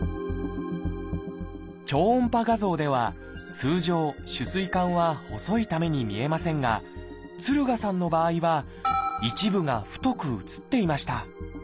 超音波画像では通常主膵管は細いために見えませんが敦賀さんの場合は一部が太く映っていました。